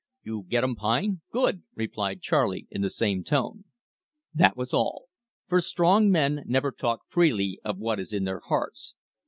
"You gettum pine? Good!" replied Charley in the same tone. That was all; for strong men never talk freely of what is in their hearts.